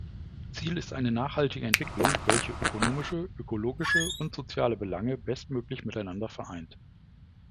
Ziel ist eine nachhaltige Entwicklung, welche ökonomische, ökologische und soziale Belange bestmöglich miteinander vereint.